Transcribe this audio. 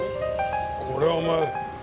これはお前。